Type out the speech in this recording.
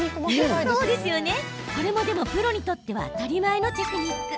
これもプロにとっては当たり前のテクニック。